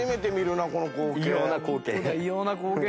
異様な光景。